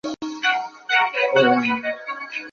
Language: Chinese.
酱油店的店员德兵卫和游女阿初是一对情侣。